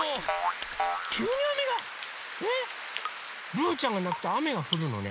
ルーちゃんがなくとあめがふるのね。